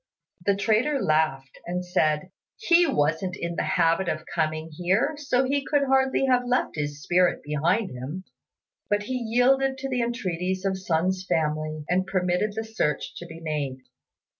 The trader laughed and said, "He wasn't in the habit of coming here, so he could hardly have left his spirit behind him;" but he yielded to the entreaties of Sun's family, and permitted the search to be made.